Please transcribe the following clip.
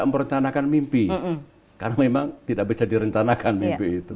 karena memang tidak bisa direncanakan mimpi itu